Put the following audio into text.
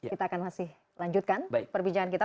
kita akan masih lanjutkan perbincangan kita